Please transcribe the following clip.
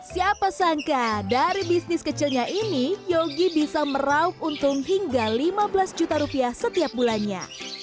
siapa sangka dari bisnis kecilnya ini yogi bisa meraup untung hingga lima belas juta rupiah setiap bulannya